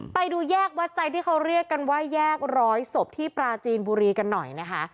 ไปดูแยกวัดใจที่เขาเรียกกันว่าแยกร้อยศพที่ปราจีนบุรีกันหน่อยนะคะ